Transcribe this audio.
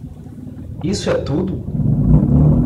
Isso é tudo?